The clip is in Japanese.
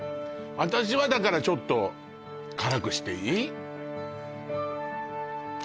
私はだからちょっと辛くしていい？